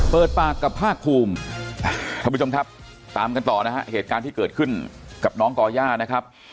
เปิดปากกับภาคภูมิท่านผู้ชมครับตามกันต่อนะฮะเหตุการณ์ที่เกิดขึ้นกับน้องก่อย่านะครับ